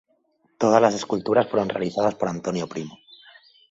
Todas las esculturas fueron realizadas por Antonio Primo.